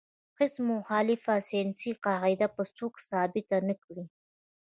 هیڅ مخالفه ساینسي قاعده به څوک ثابته نه کړي.